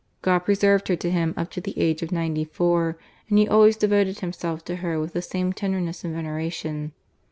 God preserved her to him up to the age of ninety four, and he always devoted himself to her with the same tenderness and veneration.